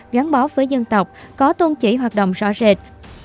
gắn bó với dân tộc có tôn chỉ hoạt động rõ rệt